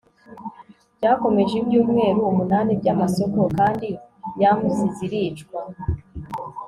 byakomeje ibyumweru umunani byamasoko kandi yams ziricwa